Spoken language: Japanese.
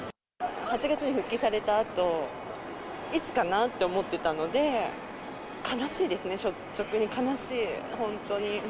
８月に復帰されたあと、いつかなと思ってたので、悲しいですね、率直に、悲しい、本当に。